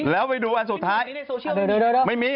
แล้วไปดูอันสุดท้าย